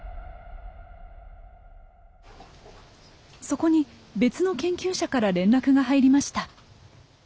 そこに別の研究者から連絡が入りました。